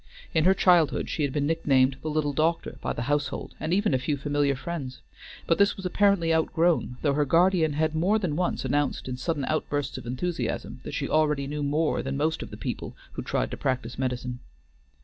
In her childhood she had been nicknamed "the little doctor," by the household and even a few familiar friends, but this was apparently outgrown, though her guardian had more than once announced in sudden outbursts of enthusiasm that she already knew more than most of the people who tried to practice medicine.